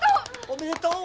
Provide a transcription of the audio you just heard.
おめでとう！